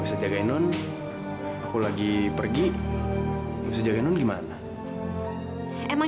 bisa jagain nun aku lagi pergi bisa jagain nun gimana